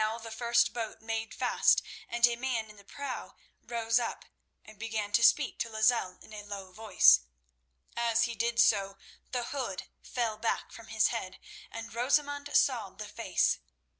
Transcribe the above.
Now the first boat made fast and a man in the prow rose up and began to speak to Lozelle in a low voice. As he did so the hood fell back from his head, and Rosamund saw the face.